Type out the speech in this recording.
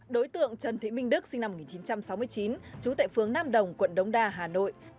đối tượng trần thị minh đức sinh năm một nghìn chín trăm sáu mươi chín trú tại phương nam đồng quận đống đa hà nội